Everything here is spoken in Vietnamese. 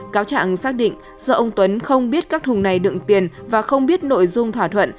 cáo trạng xác định do ông tuấn không biết các thùng này đựng tiền và không biết nội dung thỏa thuận